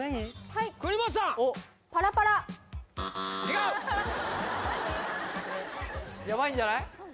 はい国本さん「パラパラ」違うヤバいんじゃない？